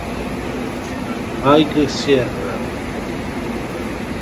High Sierra